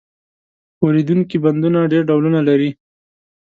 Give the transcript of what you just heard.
ښورېدونکي بندونه ډېر ډولونه لري.